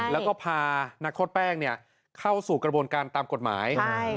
แล้วก็พานักโทษแป้งเข้าสู่กระบวนการตามกฎหมาย